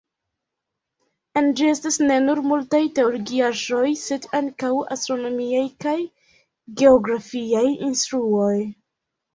En ĝi estas ne nur multaj teologiaĵoj, sed ankaŭ astronomiaj kaj geografiaj instruoj.